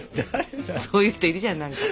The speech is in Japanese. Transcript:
そういう人いるじゃん何か。